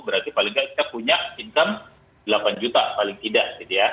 berarti paling tidak kita punya income delapan juta paling tidak gitu ya